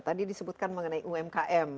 tadi disebutkan mengenai umkm